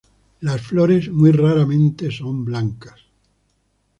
Las flores son muy raramente blancas.